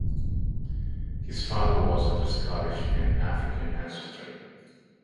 His father was of Scottish and African ancestry.